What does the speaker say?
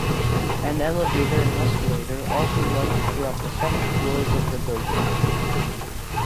An elevator and escalator also runs throughout the seven floors of the building.